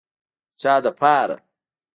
د چا دپاره.